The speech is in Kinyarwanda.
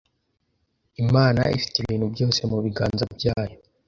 Imana ifite ibintu byose mu biganza byayo